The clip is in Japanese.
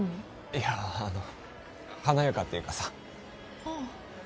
いやあの華やかっていうかさああ